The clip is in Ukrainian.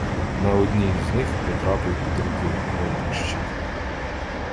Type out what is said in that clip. На одній із них потрапив під руки гладущик.